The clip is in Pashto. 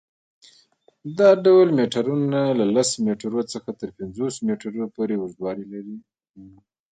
دا ډول میټرونه له لس میټرو څخه تر پنځوس میټرو پورې اوږدوالی لري.